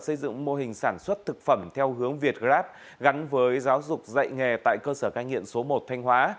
xây dựng mô hình sản xuất thực phẩm theo hướng việt grab gắn với giáo dục dạy nghề tại cơ sở cai nghiện số một thanh hóa